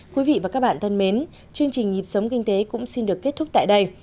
quý vị và các bạn thân mến chương trình nhịp sống kinh tế cũng xin được kết thúc tại đây